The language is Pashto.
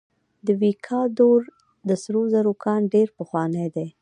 د ویکادور د سرو زرو کان ډیر پخوانی دی.